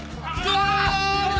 ゴール！